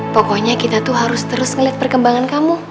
pokoknya kita tuh harus terus melihat perkembangan kamu